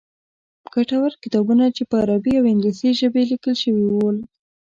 ګټور کتابونه چې په عربي او انګلیسي ژبې لیکل شوي ول.